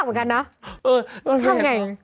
เออทำอย่างไร